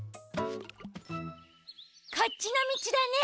こっちのみちだね。